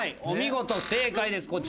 お見事正解です